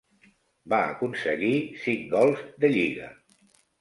Va aconseguir cinc gols de lliga.